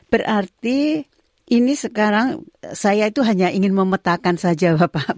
berarti ini sekarang saya itu hanya ingin memetakan saja bapak